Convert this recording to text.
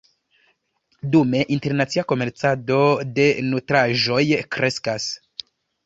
Dume, internacia komercado de nutraĵoj kreskas.